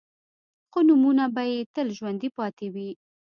خو نومونه به يې تل ژوندي پاتې وي.